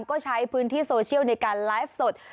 ก็ใช้พื้นที่โซเชียลในการไลฟ์สด